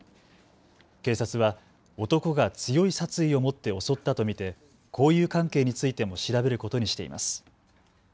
警察は男が強い殺意を持って襲ったと見て交友関係についても調べることにしています。